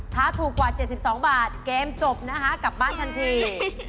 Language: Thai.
ถ้าถูกกว่า๗๒บาทเกมจบนะคะกลับบ้านทันที